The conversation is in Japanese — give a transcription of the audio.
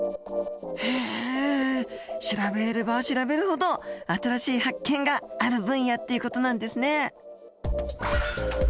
へえ調べれば調べるほど新しい発見がある分野っていう事なんですね。